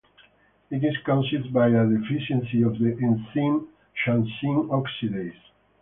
It is caused by a deficiency of the enzyme xanthine oxidase.